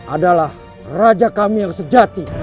adalah raja kami yang sejati